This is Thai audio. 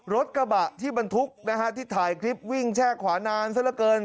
รถกระบะที่บรรทุกนะฮะที่ถ่ายคลิปวิ่งแช่ขวานานซะละเกิน